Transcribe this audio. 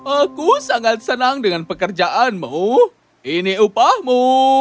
aku sangat senang dengan pekerjaanmu ini upahmu